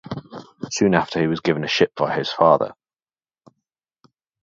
Soon after he was given a ship by his father.